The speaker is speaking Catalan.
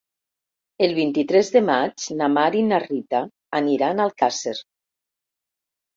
El vint-i-tres de maig na Mar i na Rita aniran a Alcàsser.